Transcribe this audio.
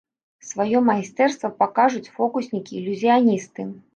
Сваё майстэрства пакажуць фокуснікі-ілюзіяністы.